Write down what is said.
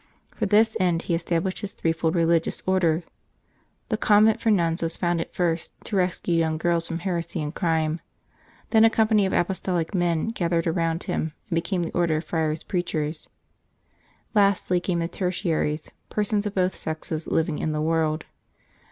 For this end he established his threefold religious Order. The convent for nuns was founded first, to rescue young girls from heresy and crime. Then a company of apostolic men gathered around him, and became the Order of Friar Preachers. Lastly came the Tertiaries, persons of both sexes living in the world.